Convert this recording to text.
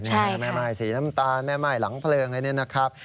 ใช่ค่ะค่ะสีน้ำตาลแม่ไม้หลังเพลิงแล้วนั้นนะครับ